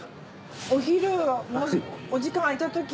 お昼お時間空いたとき。